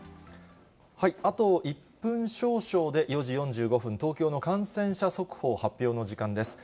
あと１分少々で、４時４５分、東京の感染者速報発表の時間です。